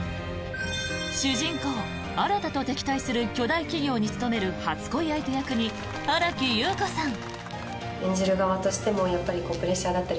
主人公・新と敵対する巨大企業に勤める初恋相手役に新木優子さん。